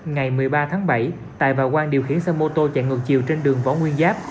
ngày một mươi ba tháng bảy tài và quang điều khiển xe mô tô chạy ngược chiều trên đường võ nguyên giáp